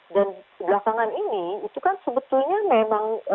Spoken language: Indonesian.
dan belakangan ini itu kan sebetulnya memang